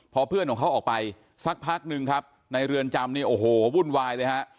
พอเพื่อนของเขาออกไปสักพักนึงครับในเรือนจำเนี่ยโอ้โหวุ่นวายเลยฮะ